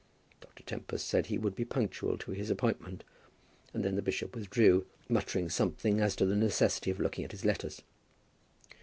Dr. Tempest said he would be punctual to his appointment, and then the bishop withdrew, muttering something as to the necessity of looking at his letters.